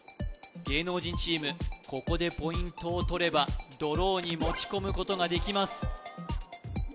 芸能人チームここでポイントをとればドローに持ち込むことができます